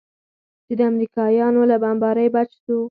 چې د امريکايانو له بمبارۍ بچ سو.